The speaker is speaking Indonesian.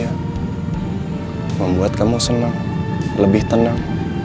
yang membuat kamu senang lebih tenang